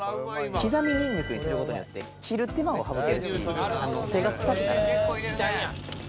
きざみニンニクにする事によって切る手間が省けるし手がくさくならない。